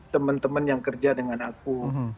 teman teman yang kerja dengan aku